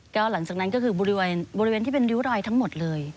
ก็หลังจากนั้นก็คือบริเวณที่เป็นริ้วรอยทั้งหมดเลย